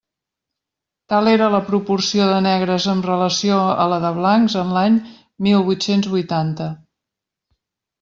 Tal era la proporció de negres amb relació a la de blancs en l'any mil vuit-cents vuitanta.